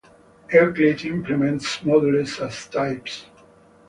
Euclid implements modules as types.